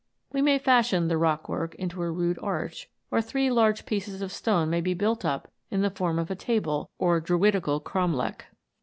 We may fashion the rock work into a rude arch, or three large pieces of stone may be built up in the form of a table or druidical cromlech.